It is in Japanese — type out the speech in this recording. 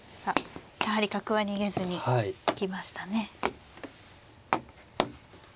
やはり角は逃げずに行きましたね。